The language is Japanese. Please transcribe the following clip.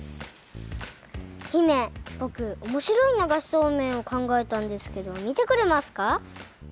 姫ぼくおもしろい流しそうめんを考えたんですけどみてくれますか？